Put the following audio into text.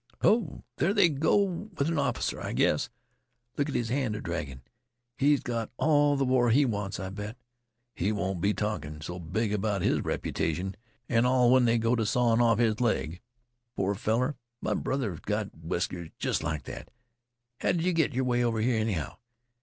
Ho! there they go with an off'cer, I guess. Look at his hand a draggin'. He 's got all th' war he wants, I bet. He won't be talkin' so big about his reputation an' all when they go t' sawin' off his leg. Poor feller! My brother 's got whiskers jest like that. How did yeh git 'way over here, anyhow?